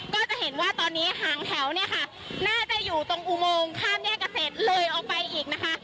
ก็จะเห็นว่าตอนนี้หางแถวเนี่ยค่ะน่าจะอยู่ตรงอุโมงข้ามแยกเกษตรเลยออกไปอีกนะคะ